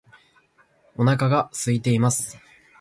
お腹が空いています